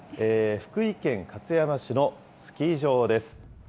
福井県勝山市のスキー場です。